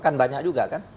kan banyak juga kan